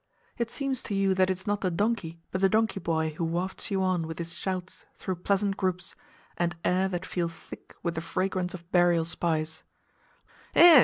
It seems to you that it is not the donkey but the donkey boy who wafts you on with his shouts through pleasant groups, and air that feels thick with the fragrance of burial spice. "Eh!